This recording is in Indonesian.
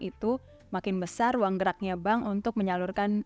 itu makin besar ruang geraknya bank untuk menyalurkan